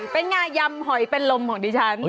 เป็นงายำหอยเป็นลมของดิฉัน